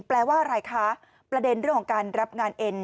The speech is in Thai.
แปลว่าอะไรคะประเด็นเรื่องของการรับงานเอ็น